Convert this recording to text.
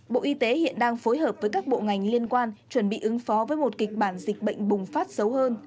bộ y tế hiện đang phối hợp với các bộ ngành liên quan chuẩn bị ứng phó với một kịch bản dịch bệnh bùng phát xấu hơn